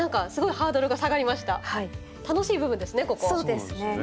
そうですね。